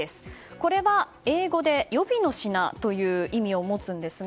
これは英語で予備の品という意味を持つんですが